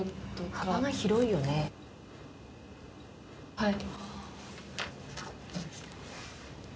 はい。